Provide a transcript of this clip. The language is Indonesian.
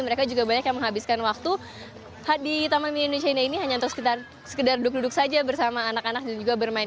mereka juga banyak yang menghabiskan waktu di taman mini indonesia indah ini hanya untuk sekedar duduk duduk saja bersama anak anak dan juga bermain